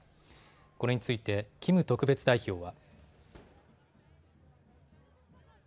これについてキム特別代表は。